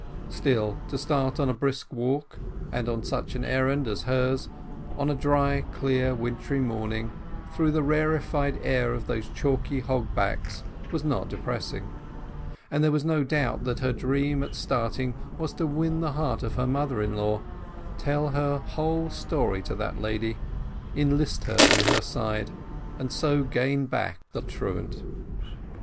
Still, to start on a brisk walk, and on such an errand as hers, on a dry clear wintry morning, through the rarefied air of these chalky hogs' backs, was not depressing; and there is no doubt that her dream at starting was to win the heart of her mother in law, tell her whole history to that lady, enlist her on her side, and so gain back the truant.